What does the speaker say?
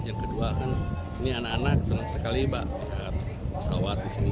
yang kedua kan ini anak anak senang sekali banget pesawat disini